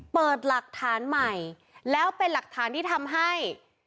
เปิดหลักฐานใหม่แล้วเป็นหลักฐานที่ทำให้